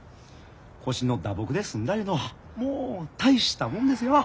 腰の打撲で済んだいうのはもう大したもんですよ。